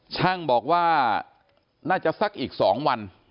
ช่างบอกว่าน่าจะสักอีก๒วัน